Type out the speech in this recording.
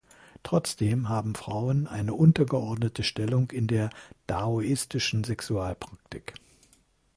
Trotzdem haben Frauen eine untergeordnete Stellung in der daoistischen Sexualpraktik.